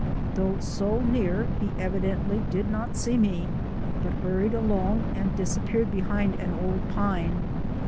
Though so near he evidently did not see me, but hurried along and disappeared behind an old pine.